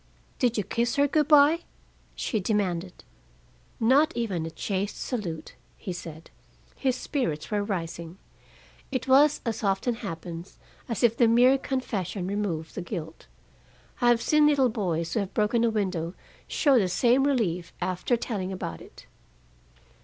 "Did you kiss her good by?" she demanded. "Not even a chaste salute," he said. His spirits were rising. It was, as often happens, as if the mere confession removed the guilt. I have seen little boys who have broken a window show the same relief after telling about it.